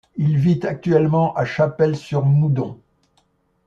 Il vit actuellement à Chapelle-sur-Moudon.